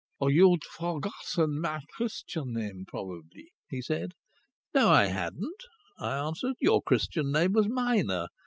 "You'd forgotten my Christian name, probably," he said. "No, I hadn't," I answered. "Your Christian name was Minor.